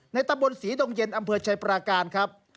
ตะบนศรีดงเย็นอำเภอชัยปราการครับ